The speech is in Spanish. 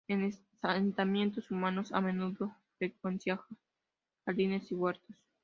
En asentamientos humanos a menudo frecuenta jardines y huertos.